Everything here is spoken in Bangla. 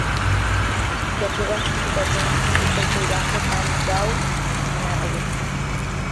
চট্টগ্রাম সিটি কর্পোরেশনের উত্তর-পূর্বাংশে চান্দগাঁও থানার অবস্থান।